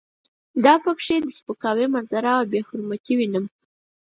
دا په کې د سپکاوي منظره او بې حرمتي وینم.